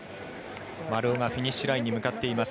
丸尾がフィニッシュラインに向かっています。